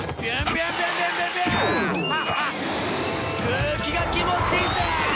空気が気持ちいいぜ！